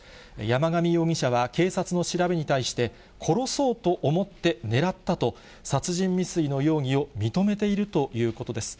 山上容疑者は警察の調べに対して、殺そうと思って狙ったと、殺人未遂の容疑を認めているということです。